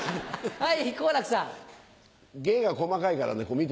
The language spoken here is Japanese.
はい。